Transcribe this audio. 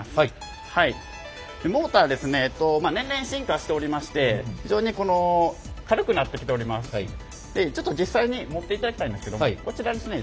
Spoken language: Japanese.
モーターですね年々進化しておりまして非常にこのでちょっと実際に持っていただきたいんですけどもこちらですね